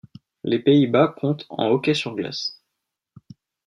Les Pays-Bas compte en hockey sur glace.